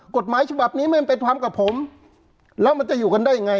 กฎหมายฉบับนี้ไม่เป็นความกับผมแล้วมันจะอยู่กันได้ยังไง